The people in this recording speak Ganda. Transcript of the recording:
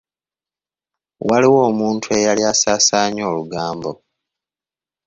Waliwo omuntu eyali asaasaanya olugambo.